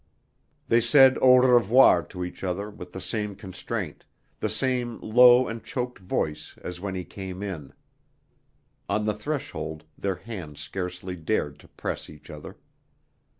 They said au revoir to each other with the same constraint, the same low and choked voice as when he came in. On the threshold their hands scarcely dared to press each other.